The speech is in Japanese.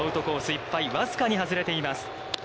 いっぱい、僅かに外れています。